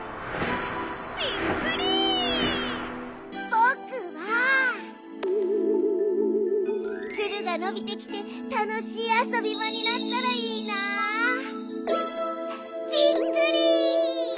ぼくはツルがのびてきてたのしいあそびばになったらいいな！びっくり！